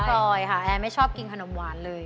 รอยค่ะแอร์ไม่ชอบกินขนมหวานเลย